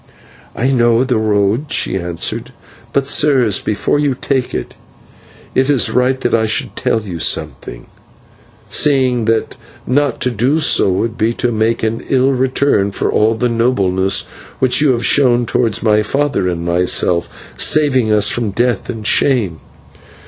"I know the road," she answered, "but, sirs, before you take it, it is right that I should tell you something, seeing that not to do so would be to make an ill return for all the nobleness which you have shown towards my father and myself, saving us from death and shame.